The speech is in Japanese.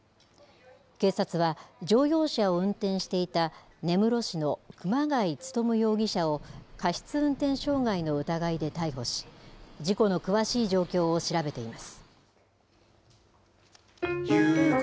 警察は、乗用車を運転していた根室市の熊谷勉容疑者を、過失運転傷害の疑いで逮捕し、事故の詳しい状況を調べています。